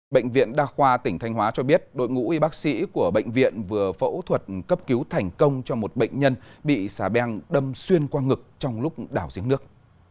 bệnh viện đa khoa tỉnh thanh hóa cho biết đội ngũ y bác sĩ của bệnh viện vừa phẫu thuật cấp cứu thành công cho một bệnh nhân bị xà beng đâm xuyên qua ngực trong lúc đào giếng nước